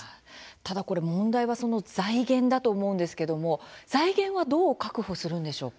ただ、問題はその財源だと思うんですけども財源はどう確保するんでしょうか。